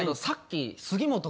さっき。